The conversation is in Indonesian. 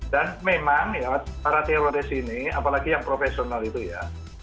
dan memang ya para teroris ini apalagi yang profesional itu ya